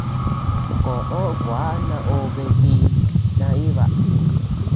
Koʼö kua naobe biʼi naíba.